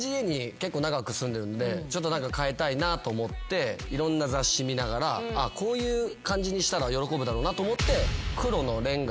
ちょっと変えたいなと思っていろんな雑誌見ながらこういう感じにしたら喜ぶだろうなと思って。